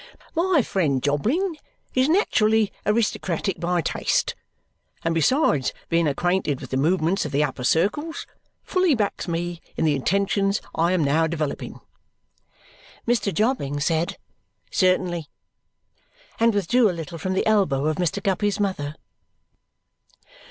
My friend Jobling is naturally aristocratic by taste, and besides being acquainted with the movements of the upper circles, fully backs me in the intentions I am now developing." Mr. Jobling said "Certainly" and withdrew a little from the elbow of Mr Guppy's mother.